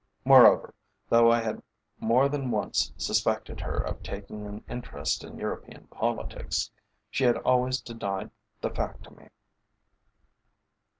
Moreover, though I had more than once suspected her of taking an interest in European politics, she had always denied the fact to me.